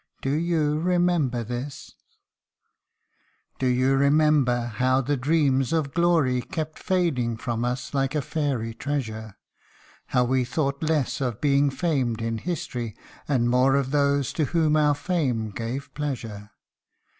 Do you remember this ? Do you remember how the dreams of glory Kept fading from us like a fairy treasure ; How we thought less of being fam'd in story, And more of those to whom our fame gave pleasure.